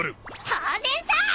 当然さ！